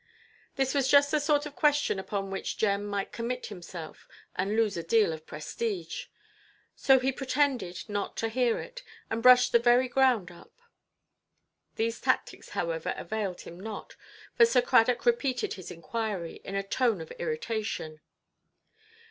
This was just the sort of question upon which Jem might commit himself, and lose a deal of prestige; so he pretended not to hear it, and brushed the very ground up. These tactics, however, availed him not, for Sir Cradock repeated his inquiry in a tone of irritation.